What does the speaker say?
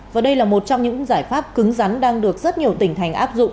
và đây là một trong những giải pháp cứng rắn đang được rất nhiều tỉnh thành áp dụng